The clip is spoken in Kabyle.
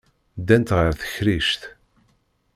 Ddant ɣer tekrict.